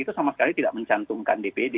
itu sama sekali tidak mencantumkan dpd